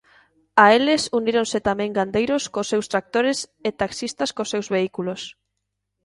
A eles uníronse tamén gandeiros cos seus tractores e taxistas cos seus vehículos.